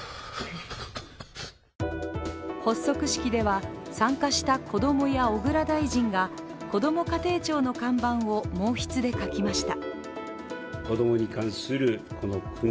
発足式では、参加した子どもや小倉大臣がこども家庭庁の看板を毛筆で書きました。